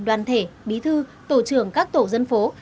đoàn thể bí thư tổ trưởng các tổ dân phố